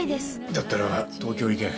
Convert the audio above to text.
だったら東京へ行け。